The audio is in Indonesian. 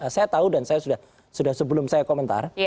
saya tahu dan saya sudah sebelum saya komentar